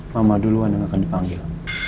mama duluan yang akan dipanggil